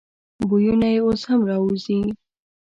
بویونه یې اوس هم راوزي.